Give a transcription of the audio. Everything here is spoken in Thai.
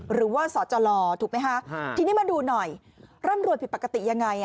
หรือว่าสจถูกไหมคะทีนี้มาดูหน่อยร่ำรวยผิดปกติยังไง